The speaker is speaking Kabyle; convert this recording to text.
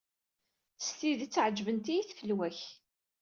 S tidet ɛeǧbent-iyi tfelwa-k.